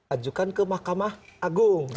ajukan ke mahkamah agung